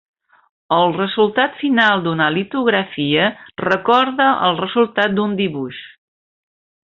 El resultat final d'una litografia recorda al resultat d'un dibuix.